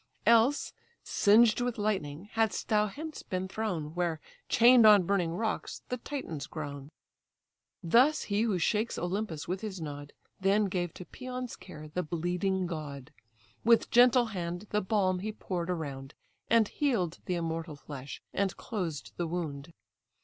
Else, singed with lightning, hadst thou hence been thrown, Where chain'd on burning rocks the Titans groan." Thus he who shakes Olympus with his nod; Then gave to Pæon's care the bleeding god. With gentle hand the balm he pour'd around, And heal'd the immortal flesh, and closed the wound.